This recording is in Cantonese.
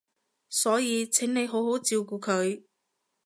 所以請你好好照顧佢